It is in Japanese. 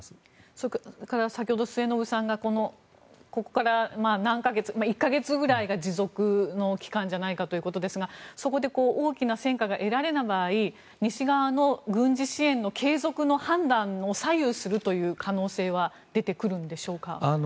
それから先ほど末延さんがここから何か月１か月くらいが持続の期間じゃないかということですがそこで大きな戦果が得られない場合西側の軍事支援の継続の判断を左右する可能性は出てくるんでしょうか。